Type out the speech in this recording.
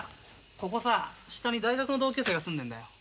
ここさ下に大学の同級生が住んでんだよ。